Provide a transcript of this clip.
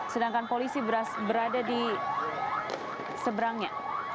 sedangkan polisi berada di seberangnya